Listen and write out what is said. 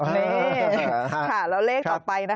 เน่ะค่ะแล้วเลขต่อไปนะคะ๒๔๔๒